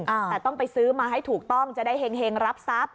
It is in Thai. อ่าแต่ต้องไปซื้อมาให้ถูกต้องจะได้เห็งรับทรัพย์